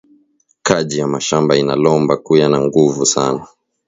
Kaji ya mashamba ina lomba kuya na nguvu sana